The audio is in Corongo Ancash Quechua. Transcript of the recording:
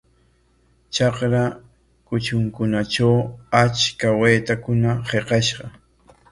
Trakra kutrunkunatraw achka waytakuna hiqashqa.